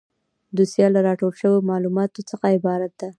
دوسیه له راټول شویو معلوماتو څخه عبارت ده.